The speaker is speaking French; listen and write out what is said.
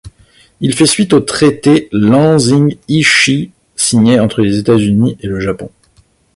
Il fait suite au traité Lansing-Ishii signé entre les États-Unis et le Japon.